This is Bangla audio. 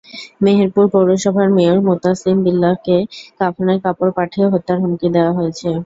মেহেরপুর পৌরসভার মেয়র মোতাছিম বিল্লাহকে কাফনের কাপড় পাঠিয়ে হত্যার হুমকি দেওয়া হয়েছে।